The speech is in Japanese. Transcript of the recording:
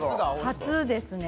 初ですね。